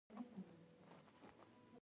تشکیل د دندو د ویشلو څخه عبارت دی.